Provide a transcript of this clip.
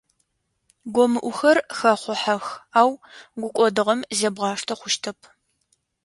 Гомыӏухэр хэхъухьэх, ау гукӏодыгъом зебгъаштэ хъущтэп.